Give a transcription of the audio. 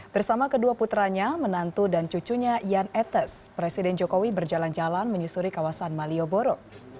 bersama kedua putranya menantu dan cucunya yan etes presiden jokowi berjalan jalan menyusuri kawasan malioboro